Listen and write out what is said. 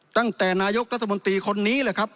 ตั้งแต่นายกตตมกคนนี้